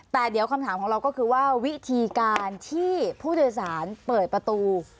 แต่เดี๋ยวคำถามของเราก็คือว่าวิธีการที่ผู้โดยสารเปิดประตู